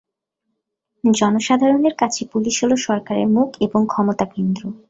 জনসাধারণের কাছে পুলিশ হলো সরকারের মুখ এবং ক্ষমতা কেন্দ্র।